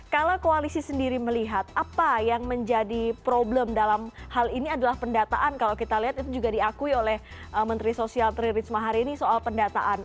kalau koalisi sendiri melihat apa yang menjadi problem dalam hal ini adalah pendataan kalau kita lihat itu juga diakui oleh menteri sosial tri risma hari ini soal pendataan